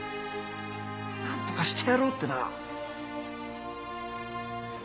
なんとかしてやろうってな。